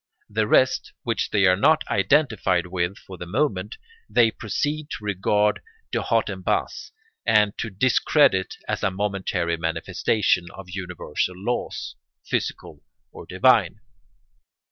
The rest, which they are not identified with for the moment, they proceed to regard de haut en bas and to discredit as a momentary manifestation of universal laws, physical or divine.